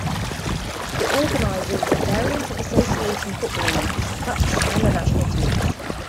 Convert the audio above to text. It organizes a variant of association football leagues, cups, and the national teams.